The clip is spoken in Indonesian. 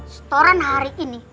setoran hari ini